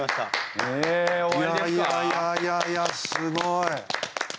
いやいやすごい。